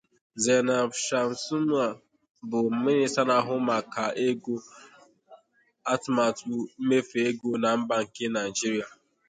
Zainab Shamsuna bụ Mịnịsta na-ahụ maka ego, atụmatụ mmefu ego na mba nke Naijiria.